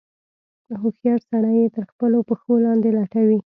هوښیار سړی یې تر خپلو پښو لاندې لټوي.